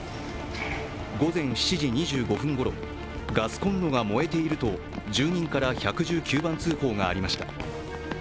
午前７時２５分ごろ、ガスコンロが燃えていると住人から１１９番通報がありました。